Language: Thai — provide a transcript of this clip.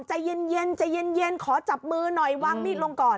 ใจเย็นใจเย็นขอจับมือหน่อยวางมีดลงก่อน